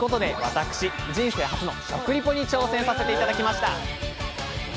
私人生初の「食リポ」に挑戦させて頂きました！